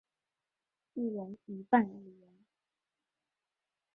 一人一万日元